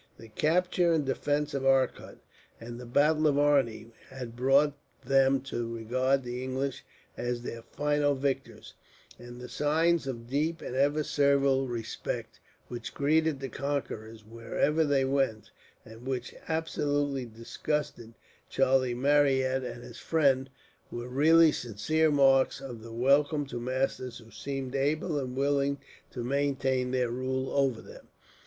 The capture and defence of Arcot, and the battle of Arni, had brought them to regard the English as their final victors; and the signs of deep and even servile respect, which greeted the conquerors wherever they went, and which absolutely disgusted Charlie Marryat and his friend, were really sincere marks of the welcome to masters who seemed able and willing to maintain their rule over them.